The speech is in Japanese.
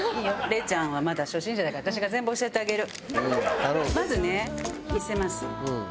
れいちゃんはまだ初心者だから私が全部教えてあげる。